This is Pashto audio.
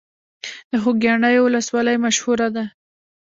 د خوږیاڼیو ولسوالۍ مشهوره ده